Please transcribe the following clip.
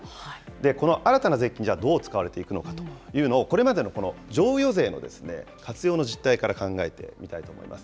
この新たな税金、じゃあ、どう使われていくのかというのを、これまでのこの譲与税の活用の実態から考えてみたいと思います。